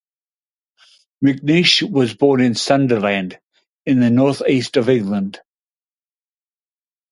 McNish was born in Sunderland in the North-East of England.